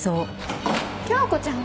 京子ちゃん